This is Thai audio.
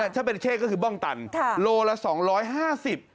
ถ้าเป็นเข้ก็คือบ้องตันโลละ๒๕๐บาท